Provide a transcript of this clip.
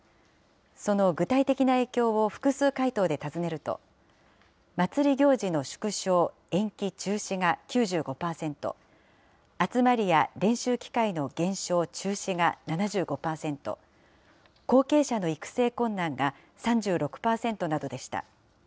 その具体的な影響を複数回答で尋ねると、祭り行事の縮小、延期・中止が９５％、集まりや練習機会の減少・中止が７５％、後継者の育成困難が３６％などでした。